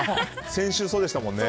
先週そうでしたもんね。